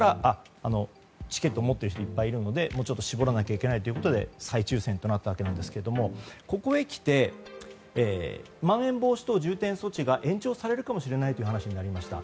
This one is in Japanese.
チケットを持っている人がいっぱいいるのでもうちょっと絞らなきゃいけないということで再抽選となったわけなんですがここへきてまん延防止等重点措置が延長されるかもしれないという話になりました。